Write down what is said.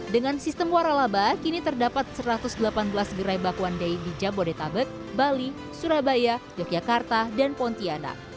dengan sistem warah laba kini terdapat satu ratus delapan belas gerai bakwan deh di jabodetabek bali surabaya yogyakarta dan pontianak